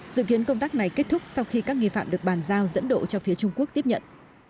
dự kiến công tác này kết thúc sau khi các nghi phạm được bàn giao dẫn độ cho phía trung quốc tiếp nhận